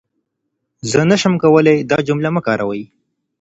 زه نشم کولای دا جمله مه کاروئ.